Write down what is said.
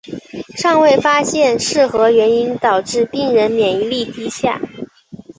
尚未发现是何原因导致病人免疫力低下。